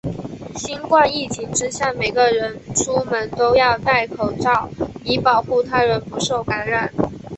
新冠疫情之下，每个人出门都要带口罩，以保护他人不受感染。